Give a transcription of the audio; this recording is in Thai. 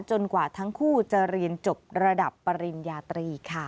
กว่าทั้งคู่จะเรียนจบระดับปริญญาตรีค่ะ